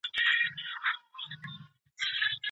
که وترنري کلینیکونه فعال وي، نو څاروي نه تلف کیږي.